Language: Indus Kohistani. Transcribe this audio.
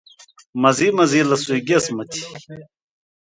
مزی مزی لہ سُوئ گیس مہ تھی